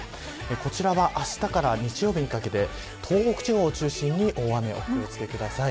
こちらは明日から日曜日にかけて東北地方を中心に大雨にお気を付けください。